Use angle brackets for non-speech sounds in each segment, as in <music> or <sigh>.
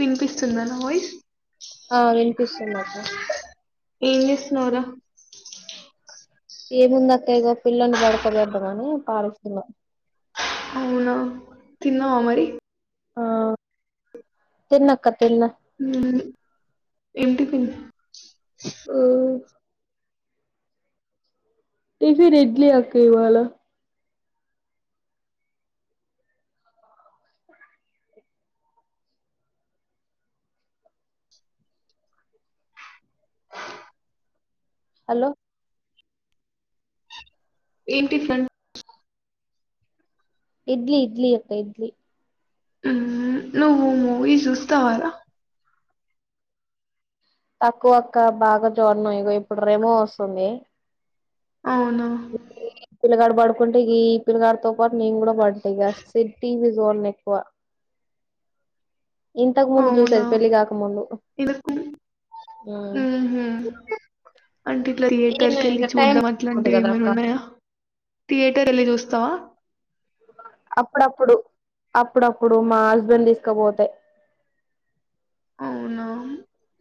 వినిపిస్తుందా నా వాయిస్ త ఆ వినుపిస్తుందక్కా ఏం చేస్తున్నావ్ రా ఏముందక్క ఇగో పిల్లల్ని పడుకోబెడ్దామని పారిస్తున్న అవునా తిన్నవా మరి ఆ తిన్నక్క తిన్న హ్మ్ ఇంటికి ఓ టిఫిన్ ఇడ్లీ అక్క ఇవాళ హలో ఏం టిఫన్ ఇడ్లీ ఇడ్లీ అక్క ఇడ్లీ మ్మ్. నువ్వు మూవీ చూస్తావా రా తక్కువక్క బాగా చూడ్ను ఇగో ఇప్పుడు రెమో వస్తుంది అవును <inaudible> ఈ పిల్లగాడ పడుకుంటే ఈ పిల్గాడతో పాటు నేను కూడా పడ్తా ఇక సి టీవి జోన్ ఎక్కువ ఇంతకు ముందు అవునా చూసేది పెళ్లి కాక ముందు ఇగా <inaudible> హు హ్మ్ అంటే ఇట్లా ఈమె థియేటర్కి వెళ్ళి ఇగ టైం చూడ్డం పోదు అట్లాంటివి కదా ఏమైనా అక్క ఉన్నాయా, థియేటర్ వెళ్ళి చూస్తావా, అప్పుడప్పుడు అప్పుడప్పుడు మా హస్బెండ్ తీసుకుపోతే అవునా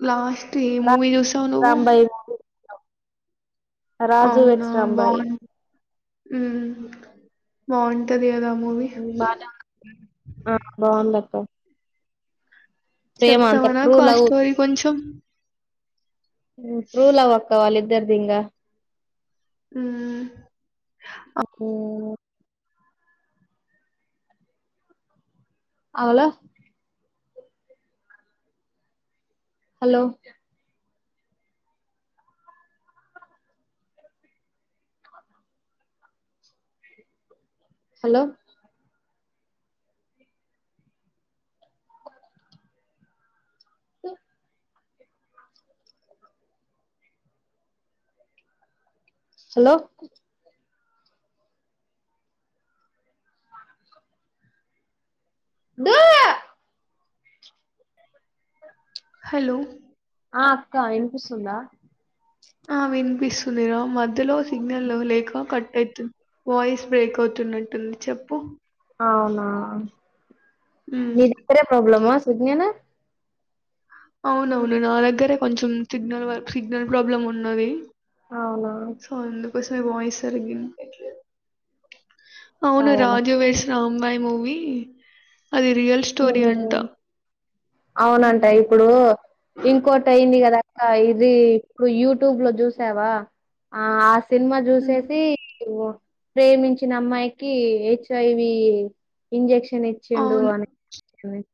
లాస్ట్ టీ రా మూవీ చూసావ్ నువ్వు రాంబాయి రాజు అవునా వెడ్స్ రాంబాయి బాగున్ మ్మ్ <unintelligible> మూవీ ఆ బావుందక్క చెప్తావా ట్రూ నాకు ఆ లవ్ స్టోరీ కొంచెం ట్రూ లవ్ అక్క వాళ్ళిద్దరిదీ ఇంకా హ్మ్ అవలా హలో హలో ఆ హలో బ హలో ఆ అక్కా వినిపిస్తుందా ఆ వినిపిస్తుందిరా మధ్యలో సిగ్నల్ లేక కట్ అయితుంది వాయిస్ బ్రేక్ అవుతున్నట్టుంది చెప్పు అవునా హ్మ్. మీదిక్కడే ప్రాబ్లమా విజ్ఞనా అవునవును నా దగ్గరే కొంచెం సిగ్నల్ వ సిగ్నల్ ప్రాబ్లమ్ ఉన్నది అవునా అసలు వాయిస్ సరిగా వినిపీయట్లేదు అవును అదేలే రాజు వెడ్స్ రాంబాయి మూవీ అది రియల్ స్టోరీ అంట అవునంట హ్మ్. ఇప్పుడు ఇంకో టి అయింది కదా ఆ ఇది ఇప్పుడు యూట్యూబ్ లో చూసావా ఆ ఆస్ సినిమా హ్మ్. చూసేసిఓ ప్రేమించిన అమ్మాయికి హెచ్ ఐ వి ఇంజక్షన్ నిచ్చిండు అవును. అని <unintelligible>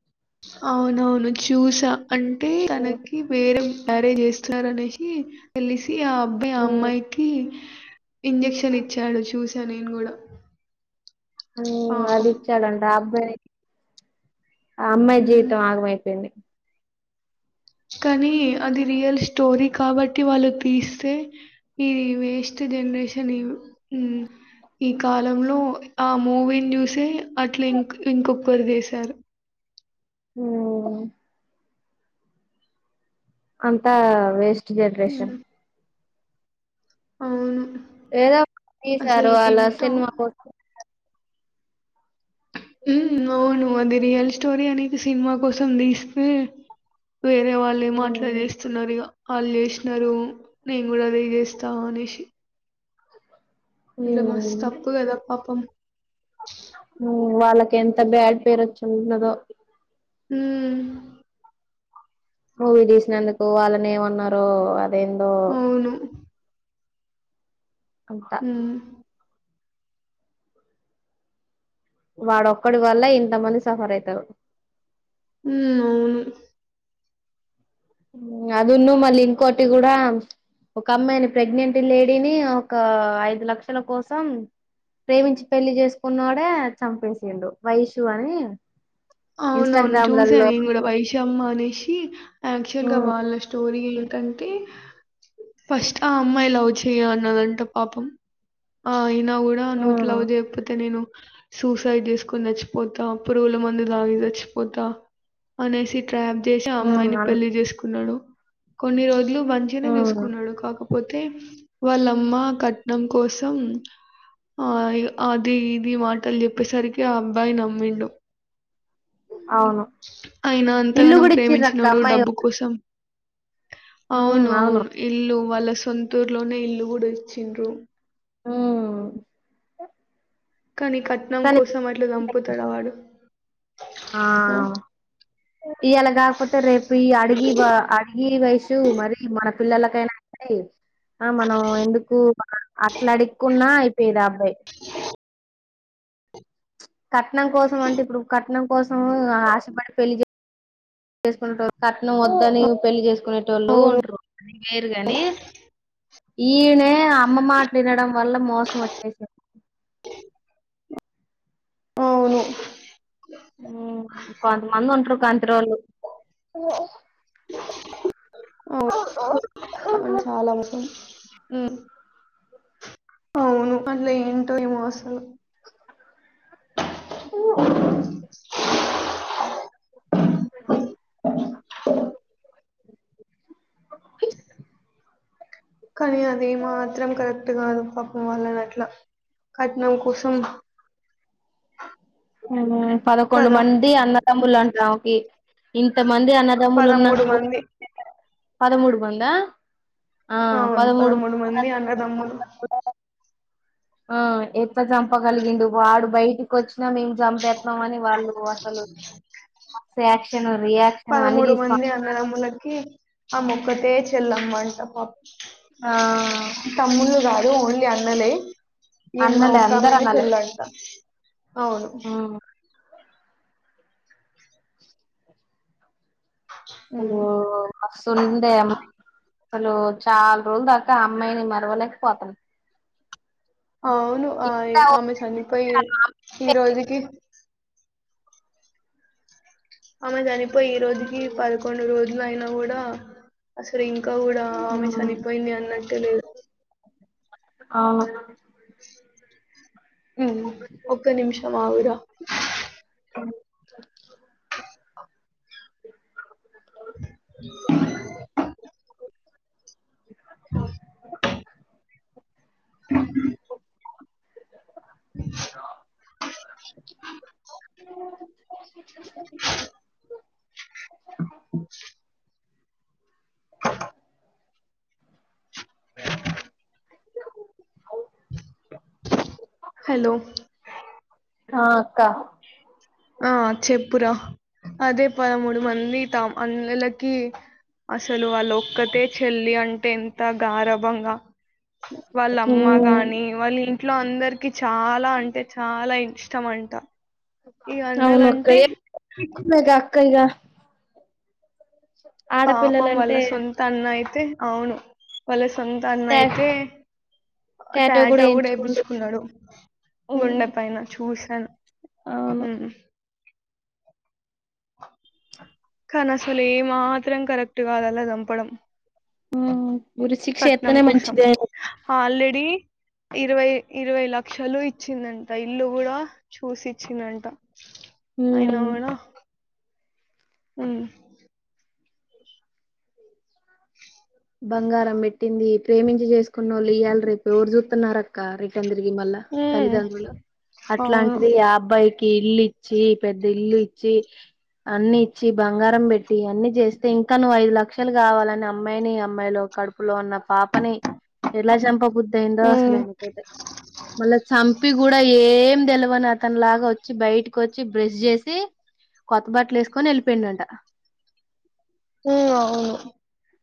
అవునవును చూసా అంటే ఉమ్ తనకి వేరే మేరేజ్ చేస్తున్నారనేసి తెలిసి ఆ అబ్బాయి ఆ ఉమ్, అమ్మాయికి ఇంజెక్షన్ ఇచ్చాడు చూసా నేను కూడా హ్మ్ అది ఇచ్చాడంట ఆఅబ్బాయి ఆ అమ్మాయి హ్మ్. జీవితం ఆగమైపోయింది కానీ అది రియల్ స్టోరీ కాబట్టి వాళ్ళు తీస్తే ఈది వేస్ట్ జనరేషన్ ఉమ్ ఈ కాలంలో ఆ మూవీని చూసే అట్లా ఇం ఇంకొకరి చేసారు ఉమ్ అంతా వేస్ట్ జనరేషన్ హ్మ్. అవును ఏదో తీశారు అసలు అలా ఎంతో సినిమా కోసం ఉమ్ అవును అది రియల్ స్టోరీ అనేది సినిమా కోసం తీస్తే వేరే వాళ్ళు ఏమో అట్లా ఉమ్ చేస్తున్నారు ఇక వాళ్ళు చేసినారు నేను కూడా అదే చేస్తా అనేసి ఇ మస్త్ ఉమ్, తప్పు కదా పాపం వాళ్ళకి ఎంత బ్యాడ్ పేరు వచ్చి ఉండదో ఉమ్ ఊరీ తీసినందుకు వాళ్ళని ఏమన్నారో ఏందో అవును. అంట హ్మ్. వాడొక్కడి వల్ల ఇంత మంది సఫర్ అయితారు ఉమ్ అవును అదన్న మళ్ళీ ఇంకోటి కూడా ఒక అమ్మాయిని ప్రెగ్నెంట్ లేడీని ఒక ఐదు లక్షల కోసం ప్రేమించి పెళ్లి చేసుకున్నోడే చంపేసిండు వైషూ అని అవునవును చూసాను ఇన్స్టాగ్రామ్లలో నేను కూడా వైశమ్మ అనేసి అక్చుఅల్ గా ఉమ్ వాళ్ళ స్టోరీ ంటే ఫస్ట్ ఆ అమ్మాయి లవ్ చేయనన్నాదంట పాపం ఆ నా కూడా నువ్వు ఉమ్ లవ్ చేయకపోతే నేను సూసైడ్ చేసుకుని సచ్చిపోతా పురుగుల మందు తాగి సచ్చిపోతా అనేసి ట్రాప్ చేసి ఉమ్ అమ్మాయిని అన్ పెళ్లి చేసుకు కున్నాడు కొన్ని రోజులు మంచిగానే ఉమ్ చూసుకున్నాడు కాక పోతే వాళ్ళమ్మ కట్నం కోసం ఆ అది ఇది మాటలు చెప్పేసరికి ఆ అబ్బాయి నమ్మిండు ఉమ్ అవును ఆయన ఇల్లు అంతగానం కూడా ఇచ్చిర్రు అక్క ప్రేమించినాడు అమ్మాయి డబ్బు కోసం అవును అవును ఇల్లు వాళ్ళ సొంతూరు లోనే ఇల్లు కూడా ఇచ్చిండ్రు ఉమ్ కానీ కట్నం కానీ కోసం అట్లా చంపుతాడా వాడు ఇయ్యాల కాకపోతే రేపు ఈ అడిగి వ తగి వయసు మరి మన పిల్లలకైనా అయి ఆ మనం ఎందుకు అట్లా అడుక్కున్నా అయిపోయేది అబ్బాయి కట్నం కోసం అంటే ఇప్పుడు కట్నం కోసం ఆశపడి పెళ్లి చేసుకున కట్నం వద్దని పెళ్లి చేసుకు కునే టోల్లు అవును ఉంటారు వేరు గాని ఈనే అమ్మ మాటాల్ వినడం వల్ల మోసం వచ్చేసి అవును హమ్ కొంత మంది ఉంటారు కాని టోల్లు అవును హమ్ అవును అందులో ఏంటో ఈమోసలు <unintelligible> <unintelligible> కానీ అది మాత్రం కరెక్ట్ కాదు పాపం వాళ్లనీ అట్ల కట్నం కోసం హమ్ పదకొండు కదా మంది అన్నదమ్ములు అంట అమేకి ఇంత మంది అన్నదమ్ములు పదమూడు ఉన్నాక కూడా మంది పదమూడు మంద అవును పదమూడు మంది అనదమ్ములు ఆ ఎట్ల చంపగలిగిండు వాడు బయటికి వచ్చి మేము చంపేస్తున్నాం అని వాళ్ళు అసలు మస్త్ యాక్ చ <unintelligible> పదమూడు మంది అన్నదమ్ములకి అమే ఒకటే చెల్లమ్మ అంట పాపం ఆ తమ్ములు గా ఓన్లీ అన్నలే ఏమో అన్నలే అందరు ఉక్కమనే అన్నలే చెల్ అంట అవును ఉమ్ హలో ఉమ్. బస్తు ఉండే అసలు చాలా రోజులు దాకా అమ్మాయిని మరవలేకపోతాన అవును ఆ ఆమె చనిపోయి ఈ రోజుకి ఆమె చనిపోయి ఈ రోజుకి పదకొండు రోజులు అయినా కూడా అసలు ఇంకా కూడా ఆమె ఉమ్ చనిపోయింది అన్నట్టే లేదు అవును హమ్ ఒక్క నిమిషం ఆగుర అ <unintelligible> <inaudible> హలో ఆ అక్క ఆ చెప్ప పుర అదే పదమూడు మంది త అన్నలకి అసలు వాళ్ళ ఒక్కటె చెల్లి అంటే ఎం ఎంత గారభంగా వాళ్ళమ్మ ఉమ్ గాని వాళ్ళు ఇట్లో అందరికి చాలా అంటే చాలా ఇష్టం అంట ఈ అవునక్క అన్నలంటే <unintelligible> కైగ పాపం వల్ల సొంత అన్న అయ్ తే అవును వలస్ సొంత అన్న టా అయితే టాటో కూడా టాటూ కూడ వేయించుకోండు వేపిన్చుకున్నాడు గుండె పైన చూశాను అవును కానీసలు ఏ మాత్రం కరెక్ట్ కాద అల చంపడం హమ్ ఊరి శిక్ష ఎత్తనే మంచిదెను డి ఇరవై ఇరవై లక్షలు ఇచ్చిందంట ఇల్లు కూడ చూసిచ్చిందంట అయిన మేడం హమ్ బంగారం పెట్టింది ప్రేమించి చేసుకున్న వాళ్ళు ఇయ్యాల రేపు ఎవరు చూతున్నార్ అక్క రిటన్ మళ్ళ ఉమ్, తల్లిదండ్రులు అవును అట్లాంటిది అబ్బాయికి ఇల్లు ఇచ్చి పెద్ద ఇల్లు ఇచ్చి అన్ని ఇచ్చి బంగారం పెట్టి అన్ని చేస్తే ఇంక నువ్వు ఐదు లక్షలు కావాలని అమ్మాయిని అమ్మాయిలో కడుపులో ఉన్న పాపని ఎలా చంప బుద్దు అయిందో అసలు ఉమ్. అయినకైతే మళ్ళా చంపి కూడా ఏం తెల ని అతను లాగా వచ్చి బయటకి వచ్చి బ్రష్ చేసి కొత్త బట్టలు వేసుకొని ఎళ్ళిపోయిడు అట హమ్ అవును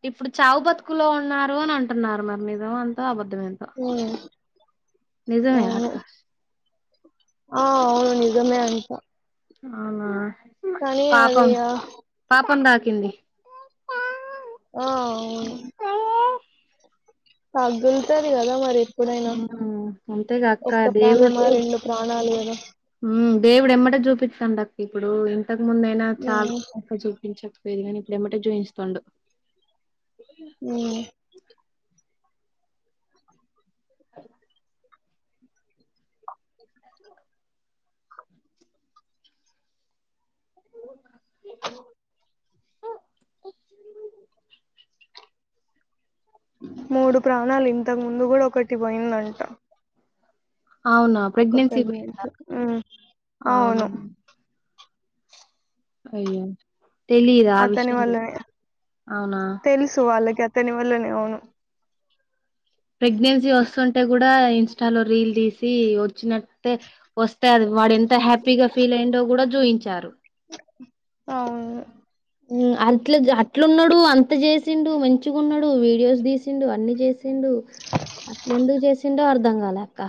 ఇప్పుడు చావు బతుకులో ఉన్నారు అని అంటున్నారు మరి నిజం అంత అబద్ మ ఉమ్ నిజమే అవును అక్క ఆ అవును నిజమే అంట అవునా కానీ అది పాపం ఆ పాపం ద కింది ఆ అవును పగుల్తదిగదా మరి ఎప్పుడైనా హమ్ అంతేగా అక్క ఒక్క దేవుడు ప్రాణమా రెండు ప్రాణాలు కదా హమ్ దేవుడు ఎమ్మటే చూపిస్తాండు అక్క ఇప్పుడు ఇంతకు ముందైన చాలుజ ఉమ్ చకపోయది కాగానీ ఇప్పుడ ఏమటే జుయిస్తుండు హమ్ మూడు ప్రాణాలు ఇంతకు ముందు కూడా ఒకటి పోయిందంట అవునా ఒక ప్రెగ్నెన్సీ ప్రగనట్ పోయిందా అవునా అవును అయ్యో తెలిదా అతని విషయం తెలి వల్లనే అవునా దని వల్లనే అవును ప్రెగ్నెన్సీ వస్తుంటే కూడా ఇన్స్టాలో రీల్ తీసి వచ్చినట్టే వస్తే అది వాడు ఎంత హ్యాపీగా ఫీల్ అయిందో కూడా చూయించారు అవును అట్ల అట్లున్నాడు అంత చేసిండు మంచిగా ఉన్నాడు వీడియోస్ తీసిండు అన్ని చేసిండు అట్ల ఎందుకు చేసిండో అర్ధం కాలక్క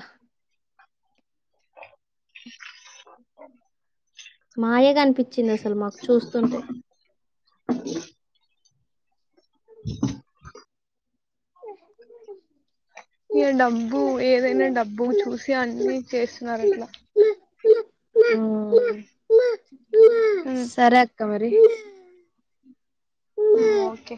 మాయ క అనిపిించ వచ్చింది అసలు మాకు చూస్తుంటే ఈ డబ్బు ఏదైనా డబ్బు చూసి అన్నిీ చేస్తున్నారు అట్లా ఉమ్ సరక్ అక్క మరి ఓకే